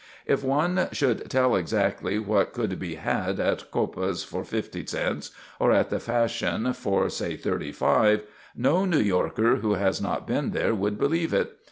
If one should tell exactly what could be had at Coppa's for fifty cents or at the Fashion for, say thirty five, no New Yorker who has not been there would believe it.